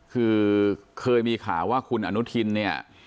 คือเคยมีข่าวว่าคุณอนุทินเนี่ย